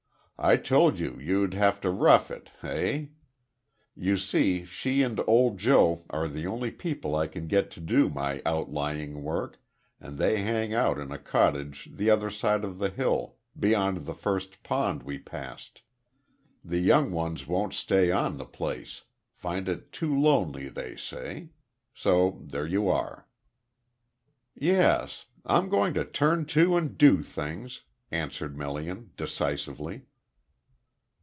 I told you you'd have to rough it eh? You see she and old Joe are the only people I can get to do my outlying work, and they hang out in a cottage the other side of the hill beyond the first pond we passed. The young ones won't stay on the place find it too lonely, they say. So there you are." "Yes. I'm going to turn to and do things," answered Melian decisively.